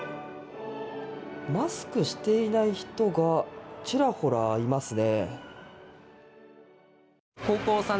マスクしていない人がちらほらいますね。